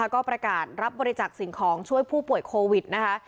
ก็ประกาศรับบริจักษ์สิ่งของช่วยผู้ป่วยโควิดนะคะ